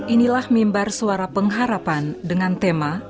inilah mimbar suara pengharapan dengan tema